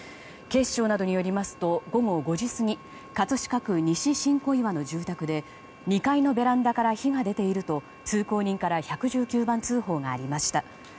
警視庁などによりますと午後５時過ぎ葛飾区西新小岩の住宅で２階のベランダから火が出ていると通行人から１１９番通報がありました。